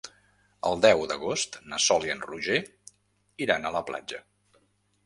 El deu d'agost na Sol i en Roger iran a la platja.